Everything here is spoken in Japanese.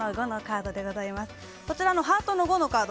こちらのハートの５のカード